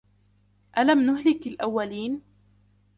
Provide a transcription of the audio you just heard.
ألم نهلك الأولين